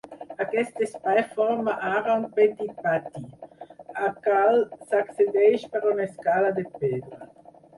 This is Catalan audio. Aquest espai forma ara un petit pati, al qual s'accedeix per una escala de pedra.